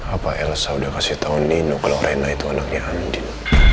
apa elsa udah kasih tau nino kalau rena itu anaknya andin